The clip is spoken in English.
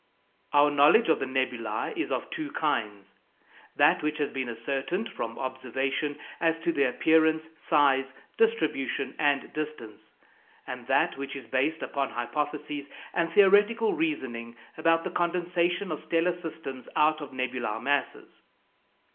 Our knowledge of the nebulæ is of two kinds that which has been ascertained from observation as to their appearance, size, distribution, and distance; and that which is based upon hypotheses and theoretical reasoning about the condensation of stellar systems out of nebular masses.